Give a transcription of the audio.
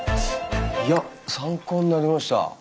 いや参考になりました。